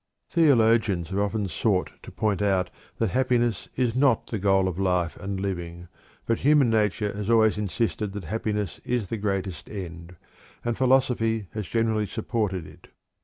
Theologians have often sought to point out that happiness is not the goal of life and living, but human nature has always insisted that happiness is the greatest end, and philosophy has generally supported it.